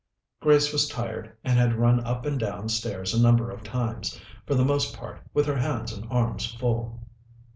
Grace was tired, and had run up and down stairs a number of times, for the most part with her hands and arms full.